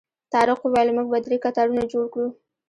طارق وویل موږ به درې کتارونه جوړ کړو.